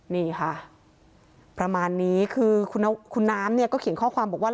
นี่ค่ะประมาณนี้คือคุณน้ำเนี่ยก็เขียนข้อความบอกว่า